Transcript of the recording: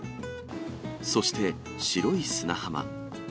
そして、白い砂浜。